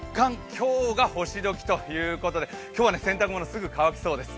今日が干し時ということで、今日は洗濯物、すぐ乾きそうです。